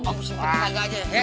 om serta merta naga aja ya